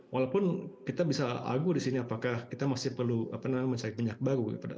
walaupun kita bisa agu di sini apakah kita masih perlu mencari minyak baru